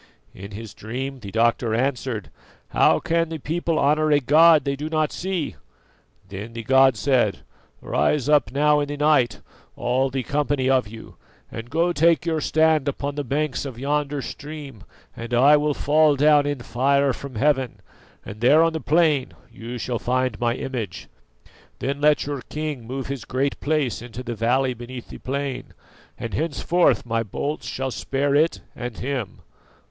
"In his dream the doctor answered: 'How can the people honour a god that they do not see?' Then the god said: 'Rise up now in the night, all the company of you, and go take your stand upon the banks of yonder stream, and I will fall down in fire from heaven, and there on the plain you shall find my image. Then let your king move his Great Place into the valley beneath the plain, and henceforth my bolts shall spare it and him.